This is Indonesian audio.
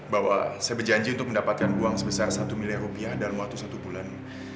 bahwa saya berjanji untuk mendapatkan uang sebesar satu miliar rupiah dalam waktu satu bulan